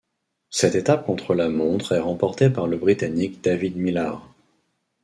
Cette étape contre-la-montre est remportée par le Britannique David Millar.